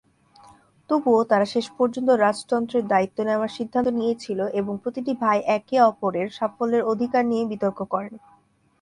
তবুও, তাঁরা শেষ পর্যন্ত রাজতন্ত্রের দায়িত্ব নেওয়ার সিদ্ধান্ত নিয়েছিল এবং প্রতিটি ভাই একে অপরের সাফল্যের অধিকার নিয়ে বিতর্ক করেন।